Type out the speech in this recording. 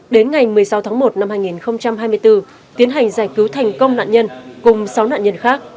đến ngày một mươi sáu tháng một năm hai nghìn hai mươi bốn tiến hành giải cứu thành công nạn nhân cùng sáu nạn nhân khác